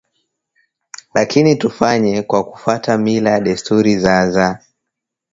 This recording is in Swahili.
lakini tufanye kwa kufuata mila desturi za za